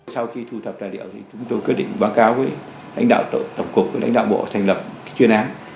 sau khi thu thập tài liệu thì chúng tôi quyết định báo cáo với lãnh đạo tổng cục lãnh đạo bộ thành lập chuyên án